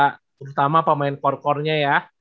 terutama pemain power core nya ya